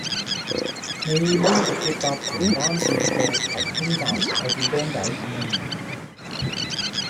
你可以直接搭荃灣綫到葵興站再轉 van 仔